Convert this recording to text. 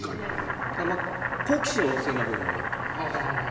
好奇心旺盛な部分はあると思います。